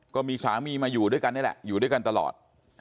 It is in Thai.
ก็มีสามีมาอยู่ด้วยกันนี่แหละอยู่ด้วยกันตลอด